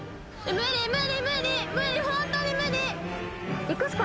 無理無理。